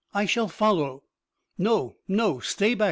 I shall follow!" "No! No! Stay back!"